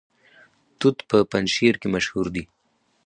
توت په پنجشیر کې مشهور دي